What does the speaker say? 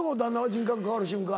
人格変わる瞬間。